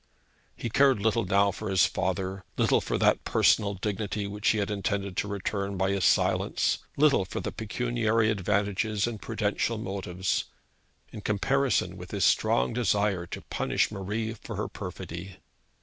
He cared little now for his father, little for that personal dignity which he had intended to return by his silence, little for pecuniary advantages and prudential motives, in comparison with his strong desire to punish Marie for her perfidy.